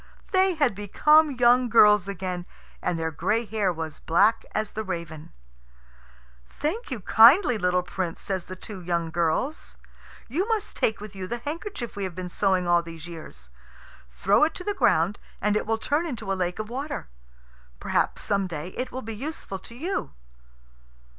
They had become young girls again, and their gray hair was black as the raven. "Thank you kindly, little Prince," say the two young girls. "You must take with you the handkerchief we have been sewing all these years. Throw it to the ground, and it will turn into a lake of water. Perhaps some day it will be useful to you."